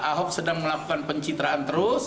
ahok sedang melakukan pencitraan